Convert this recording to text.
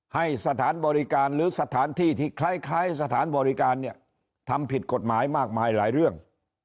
ให้สถานบริการหรือสถานที่ที่คล้ายสถานบริการเนี่ยทำผิดกฎหมายมากมายหลายเรื่อง